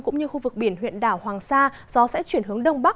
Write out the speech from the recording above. cũng như khu vực biển huyện đảo hoàng sa gió sẽ chuyển hướng đông bắc